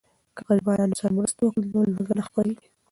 که غریبانو سره مرسته وکړو نو لوږه نه خپریږي.